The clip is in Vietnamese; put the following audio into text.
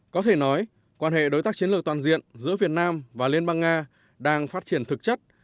có thể nói quan hệ đối tác chiến lược toàn diện giữa việt nam và liên bang nga đang phát triển thực chất